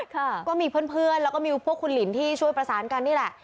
ก็มีเพื่อนเพื่อนแล้วก็มีพวกคุณหลินที่ช่วยประสานกันนี่แหละ